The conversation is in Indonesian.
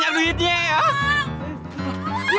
bang banyak duitnya ya